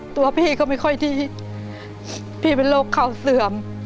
ตัวพี่ก็ไม่ค่อยที่พี่เป็นโรคเข่าเสื่อม